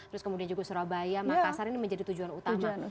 terus kemudian juga surabaya makassar ini menjadi tujuan utama